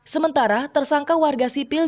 sementara tersangka warga sipil